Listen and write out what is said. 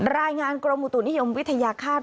รายงานกรมอุตุนิยมวิทยาคาต